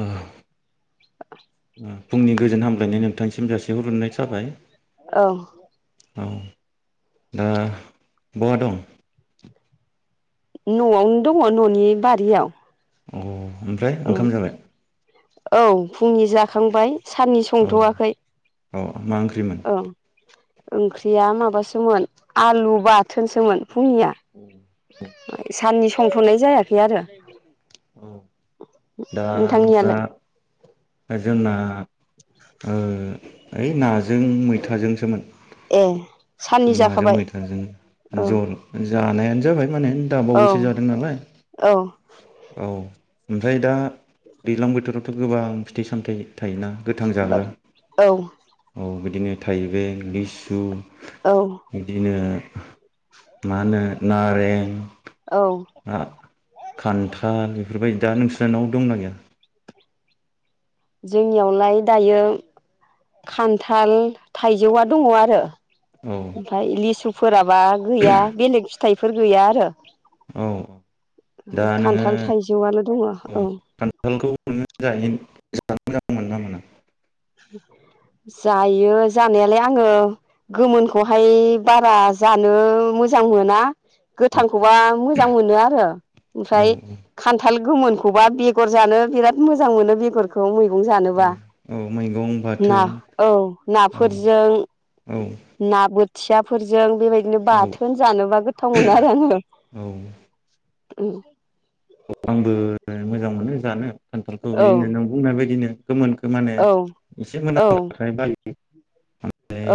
औ फुंनि गोजोन हामलायनाय नोंथांनिसिम जासेहरनाय जाबाय औ औ दा बहा दं न'आवनो दङ न'नि बारियाव अ ओमफ्राय औ ओंखाम जाबाय औ फुंनि जाखांबाय साननि औ संथ'वाखै औ मा ओंख्रिमोन औ ओंख्रिया माबासोमोन आलु बाथोनसोमोन फुंनिया औ साननि संथ'नाय जायाखै आरो औ दा नोंस्रा नोंथांनियालाय जोंना ओइ नाजों मैथाजोंसोमोन ए साननि नाजों जाखाबाय मैथाजों औ जल जानायानो जाबाय थारमाने औ दाबावोसो जादों नालाय औ औ ओमफ्राय दा दैज्लां बोथोरावथ' गोबां फिथाइ सामथाइ थायोना गोथां जाग्रा औ औ बिदिनो थाइबें लिसु औ बिदिनो मा होनो नारें औ [unintelligible] खान्थाल बेफोरबायदि दा नोंसानाव दंना गैया जोंनियावलाय दायो खान्थाल थाइजौआ दङ आरो औ ओमफाय लिसु फोरा माबा गैया बेलेग फिथाइफोर गैया आरो औ दा नोङो खान्थाल थाइजौआल' दङ औ खान्थालखौ [unintelligible] मोजां मोना मोना [inaudible] जायो जानायालाय आङो गोमोनखौहाय बारा जानो मोजां मोना औ गोथांखौबा मोजां मोनो आरो औ ओमफ्राय खान्थाल गोमोनखौबा बेगर जानो बिराद मोजां मोनो बेगरखौ मैगं औ जानोबा औ मैगं ना बाथोन औ औ नाफोरजों औ ना [unintelligible] थियाफोरजों बेबायदिनो औ बाथोन जानोबा गोथाव मोनो आरो आङो औ आंबो मोजां मोनो जानो खानथालखौ औ बिदिनो नों बुंनाय बायदिनो गोमोनखौ माने औ एसे मोनां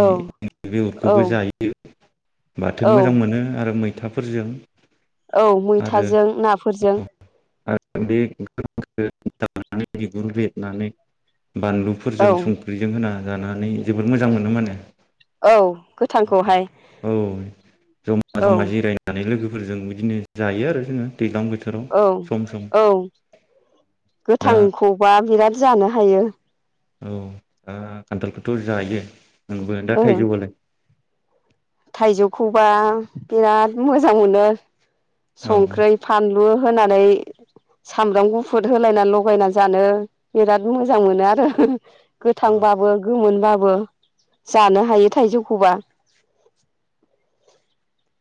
औ [unintelligible] [unintelligible] औ जायो बाथोन औ मोजां मोनो आरो मै खोथाफोरजों औ मैथाजों ना फोरजों [unintelligible] औ बानलुफोरजों संख्रिजों होना जानानै जोबोद मोजां मोनो माने औ गोथांखौहाय औ जमा औ जमा जिरायनानै लोगो फोरजों बिदिनो जायो आरो जोङो दैज्लां बोथोराव औ सम सम औ दा गोथांखौबा बिराद जानो हायो औ दा खान्थलखौथ' जायो नोंबो दा ओ थाइजौबालाय थाइजौखौबा बिराद मोजां मोनो औ संख्रै फानलु होनानै सामब्राम गुफुर होलायना लगायना जानो बिराद मोजां मोनो आरो औ गोथांबाबो गोमोनबा जानो हायो थाइजौखौबा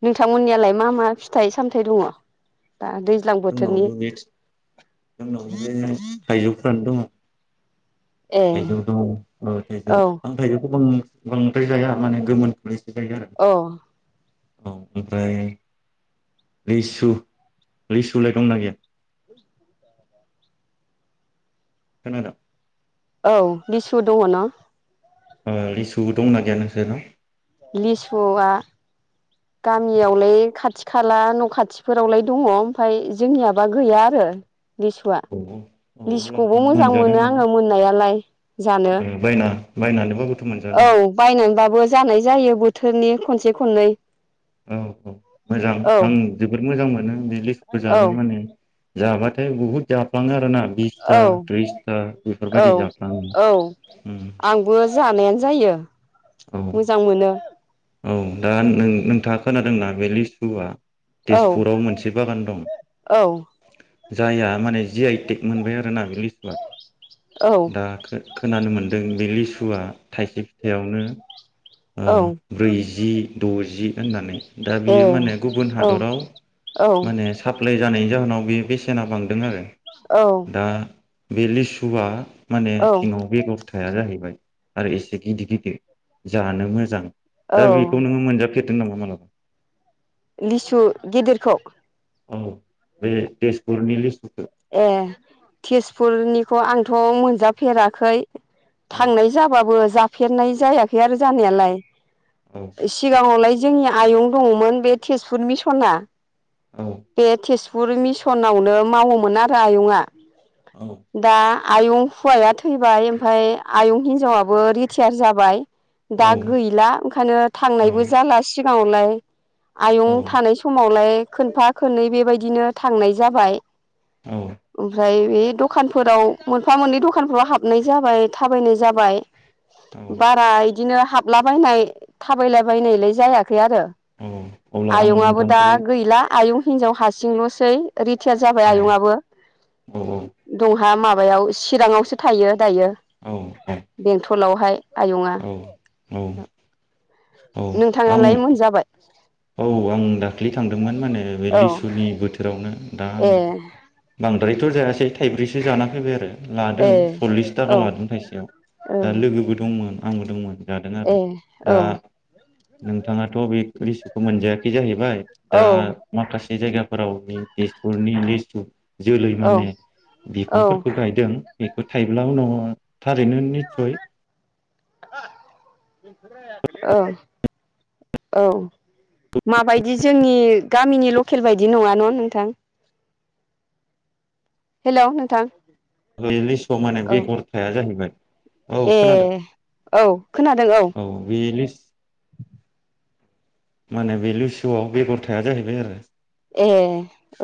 नोंथांमोननियालाय मा मा फिथाइ सामथाइ दङ दा दैज्लां बोथोरनि जोंनावबो बे जोंनाव बे थाइजौफ्रानो दङ ए थाइजौ दं ओ थाइजौ औ आं थाइजौखौ बां बांद्राय जाया माने गोमोन [unintelligible] जायो आरो औ औ ओमफ्राय लिसु लिसुलाय दंना गैया खोनादों औ लेसु दङ न' औ लिसुबो दंना गैया नोंसोरनाव लिसुआ गामियावलाय खाथि खाला न' खाथिफोरावलाय दङ ओमफ्राय जोंनियावबा गैया आरो लिसुवा औ लिसुखौबो अब्लाबोथ' मोजां मोनजादों मोनो नोङो आंङो मोननायालाय जानो ओ बायना बायनानैबाबोथ' मोनजादों औ बायनानैबाबो जानाय जायो। बोथोरनि खनसे खननै औ औ मोजां औ नोंथां जोबोद मोजां मोन बे लेसुखौ औ जानो माने जाबाथाय बहुद जाफ्लाङो आरोना बिसथा औ त्रिसथा औ बेफोरबायदि जाफ्लाङो औ आंबो जानायानो जायो औ मोजां मोनो औ दा नोंथाङा खोनादोंना बे लिसुआ औ तेजपुराव मोनसे बागान दं औ जाया माने जि आइटेक मोनबाय आरोना बे लिसुआ औ दा खोनानो मोनदों बे लेसुआ लेसुआ थाइसे फिथाइआवनो औ [unintelligible] ब्रैजि द'जि होननानै दा ए बियो माने गुबुन औ हादराव औ माने साप्लाइ जानायनि जाहोनाव बे बेसेना बांदों आरो औ दा बे लिसुवआ माने औ बेयाव बेगर हाया जाहैबाय आरो एसे गिदिर गिदिर जानो मोजां दा औ बेखौ नोङो मोनजा मोनजाफेरदों नामा माब्लाबा लिसु गेदिरखौ औ बे तेजपुरनि लिसु ए तेजपुरनिखौ आंथ' मोनजाफेराखै औ थांनाय जाबाबो जा जाफेरनाय जायाखै फैयार जानायालाय औ सिगाङावलाय जोंनिया आयं दङमोन बे तेजपुर मिसना औ बे थेस गुुर मिसनावनो मावोम मोन आरो आयंआ औ दा आयं हौवाया थैबाय ओमफ्राय आयं हिनजावाबो रिटायार जाबाय दा औ गैला ओंखायनो थांनायबो जालासिगोन [inaudible] औ आयं थानाय समावलाय खोनफा खननै बेबायदिनो थांनाय जाबाय औ ओमफ्राय बे द खानफोराव मोनफा मोननै दखानफोराव हाबनाय जाबाय थाबायनाय जाबाय औ बारा बिदिनो हाबलाबायनाय थाबायलाायबायनायलाय जायाखै आरो औ अब्ला आं आयं आबो दा नोंथांनिफ्राय गैला आयं हिनजाव हारसिंल'सै रिटायार जाबाय औ आयंआबो औ जोंहा माबायाव चिराङावसो थायो दायो औ बेंटलावहाय आयंआ औ औ औ नोंथाङालाय आं मोनजाबाय औ आं दाख्लि थांदोंमोन माने बे औ लिसुनि बोथोरावनो दा ए आंङो बद्रायथ' जायासै थाइब्रैसो जाना फैबाय आरो लादों ए सल्लिस थाखा औ लादों मुथासेयाव औ दा लोगोबो दंमोन आंबोदोंमोन जादों आरो ए औ दा नोंथाङाथ' बे लिसुखौ मोनजाया बे जाहैबाय औ दा माखासे जायगाफोराव बे तेजपुरनि निस्पुत जोलै माने औ बिफांफोरखौ गायदों बेखौ थाइब्ला उनाव थारैनो निस्सय औ औ माबायदि जोंनि गामिनि लकेल बायदि नंङा होनबा नोंथां हेलौ नोंथां बे लिसुआव माने औ बेगरथायाया जाहैबाय औ ए खोनादों औ खोनादों औ माने बे लुसुआव बेगर थाया जाहैबाय आरो ए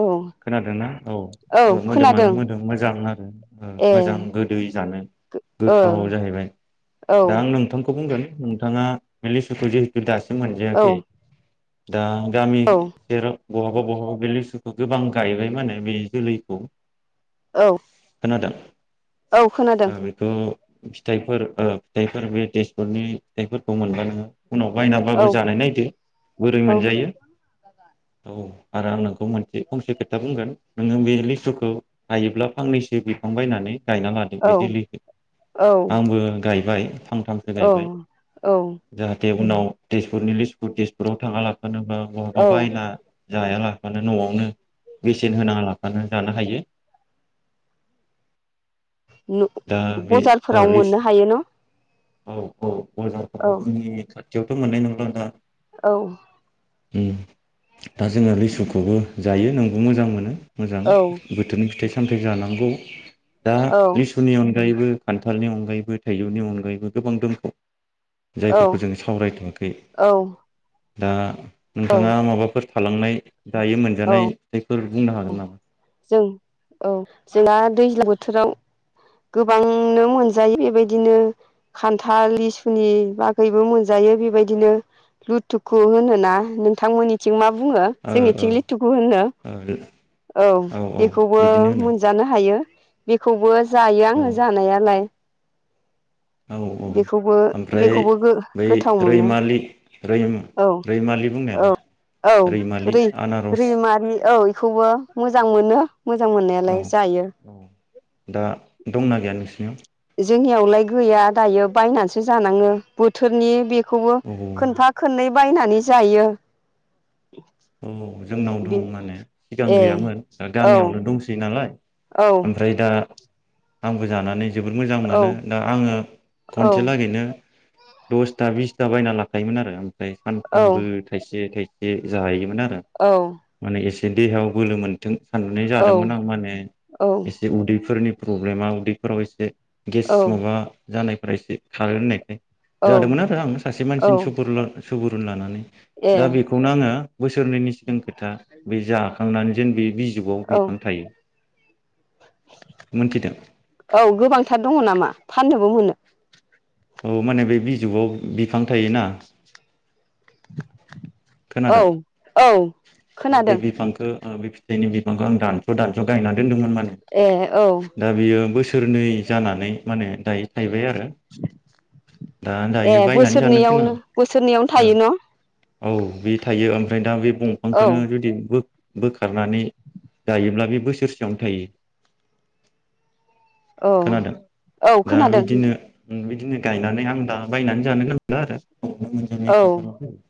औ खोनादोंना औ औ मोदोमानो मोदोम मोजां आरो ए मोजां गोदै जानो ओ गोथाव जाहैबाय औ दा आं नोंथां खौ बुंगोन नोंथाङा लेसुखौ जिहेतु दास मोनजायाखै औ दा गामि सेराव बहाबा बहाबा बेलिसुखौ गोबां गायबाय माने बे जोलैखौ औ खोनादों औ खोनादों ओ बेखौ फिथाइफोर ओ फिथाइफोर बे तेजपुरनि फिथाइफोरखौ मोनबा नोङो उनाव बायनाबाबो औ जानाय नायदो बोरै औ मोनजायो औ आरो आं नोंखौ मोनसे फंसे खोथा बुंगोन नोङो बे लिसुखौ हायोब्ला फांनैसो बिफां बायनानै गायना लादों औ बे जोलैखौ औ आंबो गाय लाइ फां सामसो गायबाय औ जाहाथे दे उनाव तेजपुरनि लप तेजपुराव थाङला फोरबा बहाबा बायना जायाला मानो नआवनो बेसेन होना लाफानानै जानो हायो। दा बे ओ बजारफोराव लिसु मोननो हायो न' औ औ मोजांथार औ बोथोरनि थाखा बेयावथ मोन्नाय नंला दा औ उम दा जोङो लिसुखौबो जायो नोंबो मोजां मोनो मोजां औ बोथोरनि फिथाइ सा सामथाइ जानांगौ दा औ लिसु नि अनगायैबो खान्थालनि अनगायैबो थाइजौनि अनगायैबो गोबां दंख औ जायफोरखौ जोङो सावरायथवाखै दा औ नोंथाङा माबाफोर थालांनाय दायो मोनजानाय जाय औ जों औ जोंना दैज्लां बो थोराव गोबांनो मोनजायो बेबायदिनो खान्थाल लिसुनि बागैबो मोनजायो बेबायदिनो लुथुखु होनोना नोंथांमोननिथिं मा बु बुङो ओ जोंनिथिं लिथुखु होनो औ औ औ बेखौबो बिदिनो होनो मोनजानो हाय यो बेखौबो जायो औ आङो जानायालाय औ औ बेखौबो ओमफ्राय बेखौबो बै गोथाव मोनो रैमालि रै औ रैमालि औ बुंनायालाय औ रैमालि आनारस खौबो मोजां मोनो मोजां औ मोननायालाय जायो। औ दा दंना गैया नोंसिनियाव? जोंनियावलाय गैया दायो बायनानैसो जानांङो बोथोरनि बे खौवो औ खोनफा खोननै बायनानै जायो औ जोंनाव दं बे माने सिगां ए गैयामोन दा औ गामियावनो दंसै नालाय औ ओमफ्राय दा आंबो जानानै जोबोर मोजां औ मोनो दा आङो खनसे लागैनो दसथा बिसथा बायना लाखायोमोन आरो फ्राय औ सानफ्रोमबो थाइसे थाइ ए जायोमोन खोनादों औ माने एसे देहायाव बोलो मोन थों साननानै औ जादोंमोन आं माने एसे उदैफोरनि प्रब्लेमा उदैफोराव एसे गेस माबा जानायफोरा एसे खारो होननायखाय औ जादोंमोन आरो आं सासे औ मानसिनि सुपुर सुबुरुन लानानै। ए दा बेखौनो आङो बोसोरनैनि सिगां खोथा बे जा खांनानै जेन बि बिजौवाव औ बिफां थायो मोनथिदों औ गोबांथार दङ नामा फाननोबो मोनो? औ माने बे बिजौआव बिफां थायोना? औ खोनादों औ औ बे खोनादों बिफांखो ओ फि बेनि बिफांखो आं दानस' दानस' गायनानै, दोनदोंमोन माने ए औ दा बियो बोसो सोरनै जानानै माने दायो थाइबाय आ ए बायनानै जानो गोनां बोसोरनैयावनो बोसोरनैयाव ओ थायो न' औ बे थायो ओमफ्राय दा बे औ दंफांखोनो जुदि बो बोखारनानै गायोब्ला बे बोसोरसेयावनो थायो। औ खोनादों औ दा खोनादों बिदिनो बिदिनो गायनानै आं दा बायनानै जानो नांला आरो न'आवनो औ मोनजानाय [unintelligible]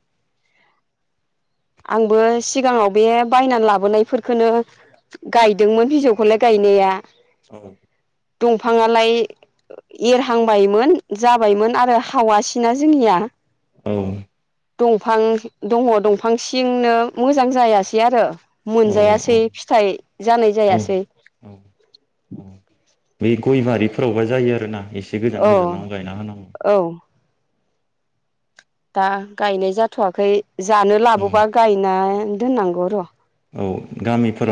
आंबो सिगांङाव बे बायनानै लाबोनायफोरखोनो गायदोंमोन बिजौखोलाय गायनाया, दंफांङालाय एरहांबायमोन जाबायमोन आरो हावासिना जोंनिया, औ दंफां दंङ दंफां सिंनो मोजां जायासै आरो औ मोनजायासै फिथाइ जानाय औ जायासै। औ औ बे गय बारिफोरावबा जायो आरोना ए से गोजान औ गोजानाव गायना होनांगौ। औ दा गायनाय जाथ'वाखै। जानो औ लाबोबा गायना दोननांगौ र' औ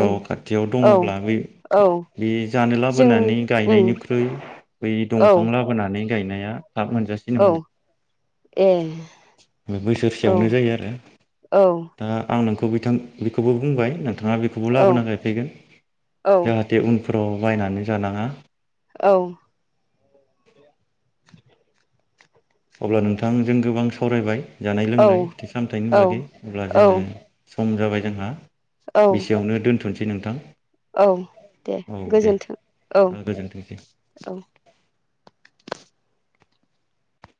औ खाथियाव औ दंङब्ला बै औ बे जानो जोंनि लाबोनानै उम गायनायनिख्रुइ बै औ दंफां लाबोनानै, गायनाया थाब मोनजासिनो औ माने ए बे औ बोसोरसेयावनो जायो आरो औ दा आं नों खौ बिथां बेखौबो बुंबाय नों थांङा बेखौबो औ लाबोना गायफैगोन औ जाहाथे उन फोराव बायनानै जानांङा औ अब्ला नोंथांजों गोबां सावरायबाय जानाय औ लोंनाय फिथाइ सामथाइनि औ बागै अब्ला औ जोंङो सम जाबाय जोंहा औ बेसेयावनो दोनथ'नो सै नोंथां। औ दे औ दे गोजोन्थों औ गोजोनथोंसै औ।